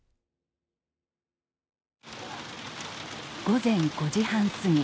午前５時半過ぎ。